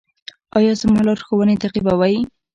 ایا زما لارښوونې تعقیبوئ؟